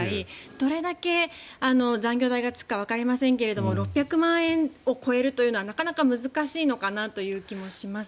どれだけ残業代がつくかわかりませんけども６００万円を超えるというのはなかなか難しいのかなという気もします。